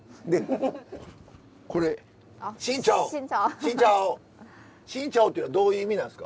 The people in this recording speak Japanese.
「シンチャオ」っていうのはどういう意味なんですか？